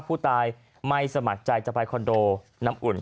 ผู้ตายไม่สมัครใจจะไปคอนโดน้ำอุ่น